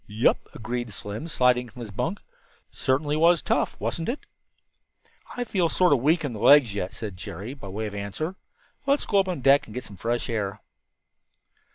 "Yep," agreed Slim, sliding from his bunk. "Certainly was tough, wasn't it?" "I feel sort of weak in the legs yet," said Jerry, by way of answer. "Let's go up on deck and get some fresh air."